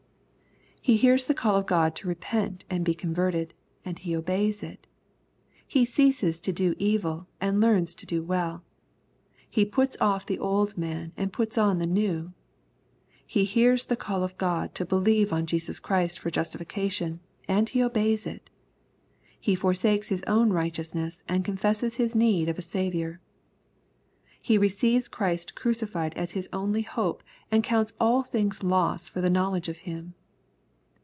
He hears the call of God t/O repent end be converted, and he obeys it. He ceases to do evil, and learns to do well. He puts off the old man, and puts on the new. — He hears the call of God to believe on Jesus Christ for justification, and he obeys it. He for sakes his own righteousness, and confesses his need of a Saviour. He receives Christ crucified as his only hope, and counts all things loss for the knowledge of Him.